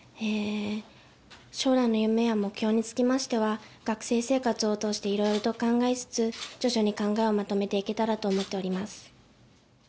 将来の夢や目標につきましては、学生生活を通して、いろいろと考えつつ、徐々に考えをまとめていけたらと思っております。